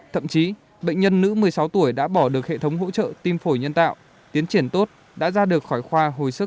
thậm chí bệnh nhân nữ một mươi sáu tuổi đã bỏ được hệ thống hỗ trợ tim phổi nhân tạo tiến triển tốt đã ra được khỏi khoa hồi sức